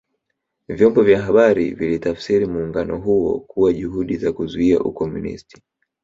Vyombo vya habari vilitafsiri muungano huo kuwa juhudi za kuzuia Ukomunisti